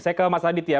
saya ke mas aditya